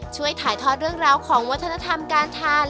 ช่วยถ่ายทอดเรื่องราวของวัฒนธรรมการทาน